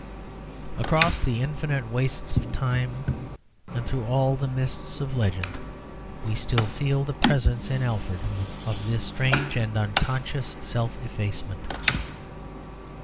Across the infinite wastes of time and through all the mists of legend we still feel the presence in Alfred of this strange and unconscious self effacement.